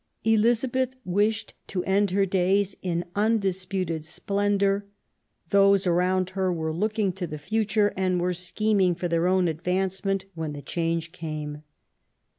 Elizabeth wished to end her days in undisputed splendour: those around her were looking to the future, and were scheming for their own advancement when the change came.